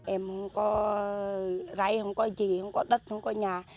em không có rãi không có gì không có đất không có nhà